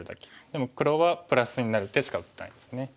でも黒はプラスになる手しか打ってないですね。